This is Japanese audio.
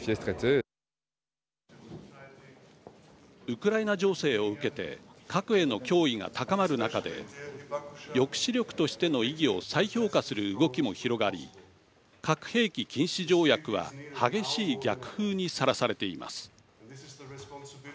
ウクライナ情勢を受けて核への脅威が高まる中で抑止力としての意義を再評価する動きも広がり核兵器禁止条約は激しい逆風にさらされています。